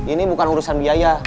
ini bukan urusan biaya